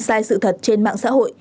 sai sự thật trên mạng xã hội